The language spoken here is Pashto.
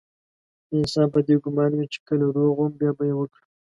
انسان په دې ګمان وي چې کله روغ وم بيا به يې وکړم.